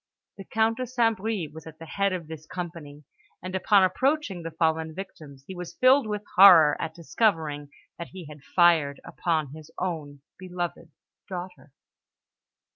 The Count de St. Bris was at the head of this company; and upon approaching the fallen victims, he was filled with horror at discovering that he had fired upon his own beloved daughter!